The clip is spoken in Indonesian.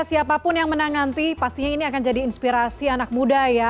siapapun yang menang nanti pastinya ini akan jadi inspirasi anak muda ya